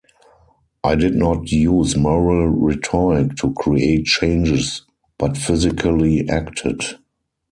It did not use moral rhetoric to create changes but physically acted.